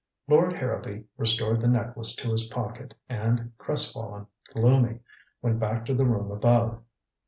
Lord Harrowby restored the necklace to his pocket and, crestfallen, gloomy, went back to the room above.